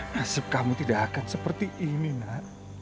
nasib kamu tidak akan seperti ini nak